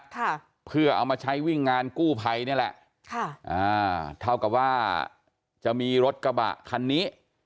ค่ะเพื่อเอามาใช้วิ่งงานกู้ภัยนี่แหละค่ะอ่าเท่ากับว่าจะมีรถกระบะคันนี้